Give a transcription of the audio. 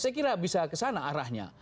saya kira bisa kesana arahnya